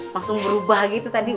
langsung berubah gitu tadi